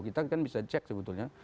kita kan bisa cek sebetulnya